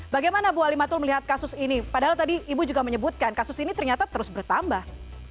bagaimana bu alimatul melihat kasus ini padahal tadi ibu juga menyebutkan kasus ini ternyata terus bertambah